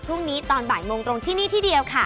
พรุ่งนี้ตอนบ่ายโมงตรงที่นี่ที่เดียวค่ะ